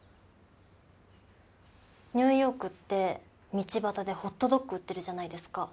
ニューヨークって道端でホットドッグ売ってるじゃないですか。